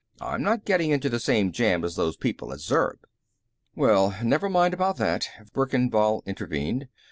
I'm not getting into the same jam as those people at Zurb." "Well, never mind about that," Verkan Vall intervened.